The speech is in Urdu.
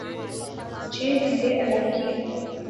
چھ انڈے الگ کئے ۔